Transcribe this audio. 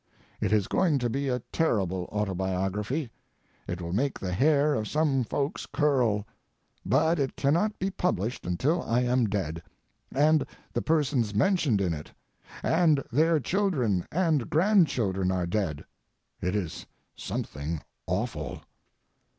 It is going to be a terrible autobiography. It will make the hair of some folks curl. But it cannot be published until I am dead, and the persons mentioned in it and their children and grandchildren are dead. It is something awful!